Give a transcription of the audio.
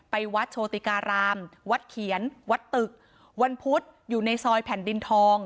วัดโชติการามวัดเขียนวัดตึกวันพุธอยู่ในซอยแผ่นดินทอง